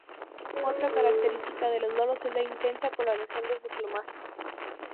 Otra característica de los loros es la intensa coloración de su plumaje.